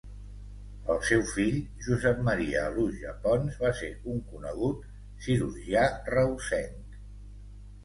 El seu fill, Josep Maria Aluja Pons, va ser un conegut cirurgià reusenc.